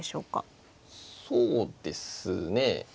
そうですね。